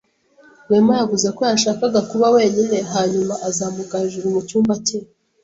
Rwema yavuze ko yashakaga kuba wenyine hanyuma azamuka hejuru mu cyumba cye.